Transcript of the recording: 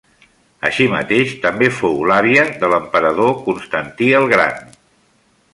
Així mateix també fou l'àvia de l'emperador Constantí el gran.